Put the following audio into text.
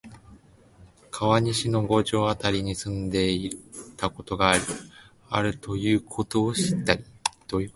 川西の五条あたりに住んでいたことがあるということを知ったり、